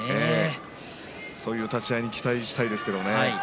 そういう立ち合いに期待したいですけれど。